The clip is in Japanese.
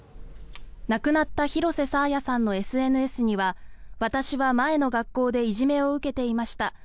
亡くなった広瀬爽彩さんのＳＮＳには私は前の学校でいじめを受けていました